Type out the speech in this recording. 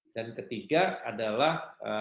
dan ketiga adalah